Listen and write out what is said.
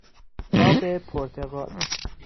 آب پرتقال